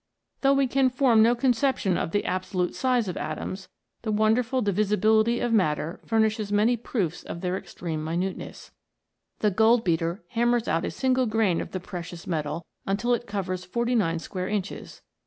Though we can form no conception of the abso lute size of atoms, the wonderful divisibility of mat ter furnishes many proofs of their extreme minute ness. The gold beater hammers out a single grain of the precious metal until it covers forty nine square inches.